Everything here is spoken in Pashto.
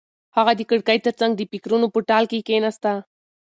هغه د کړکۍ تر څنګ د فکرونو په ټال کې کېناسته.